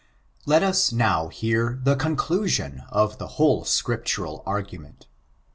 Let us now hear the conclusion of the whole Scriptural argument.